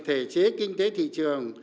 thể chế kinh tế thị trường